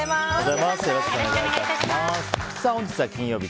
本日、金曜日。